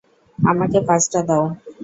আমাকে পাঁচটা দাও।